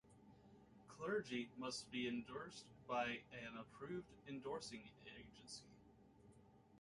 Clergy must be endorsed by an approved endorsing agency.